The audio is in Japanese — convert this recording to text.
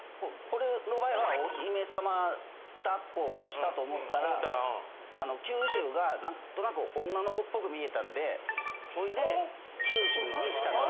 これの場合はお姫様抱っこをしたと思ったらあの九州が何となく女の子っぽく見えたんでそいで九州にしたの。